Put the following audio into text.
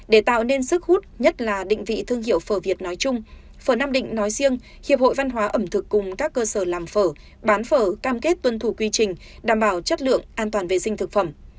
để tạo nên sức hút nhất là định vị thương hiệu phở việt nói chung phở nam định nói riêng hiệp hội văn hóa ẩm thực cùng các cơ sở làm phở bán phở cam kết tuân thủ quy trình đảm bảo chất lượng an toàn vệ sinh thực phẩm